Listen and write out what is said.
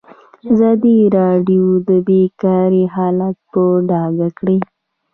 ازادي راډیو د بیکاري حالت په ډاګه کړی.